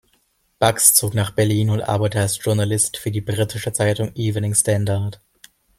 Bax zog nach Berlin und arbeitete als Journalist für die britische Zeitung Evening Standard.